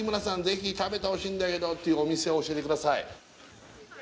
ぜひ食べてほしいんだけどっていうお店教えてください